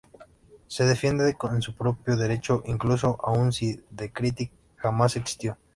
Se defiende en su propio derecho incluso aún si "The Critic" jamás existió.